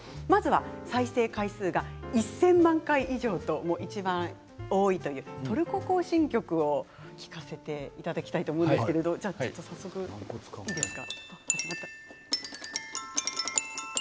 再生回数が１０００万回以上といちばん多いという「トルコ行進曲」を聴かせていただきたいと思いますけれど早速お願いします。